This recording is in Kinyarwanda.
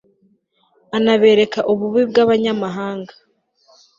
anabereka ububi bw'abanyamahanga